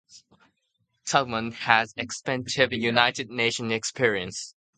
Tubman has extensive United Nations experience.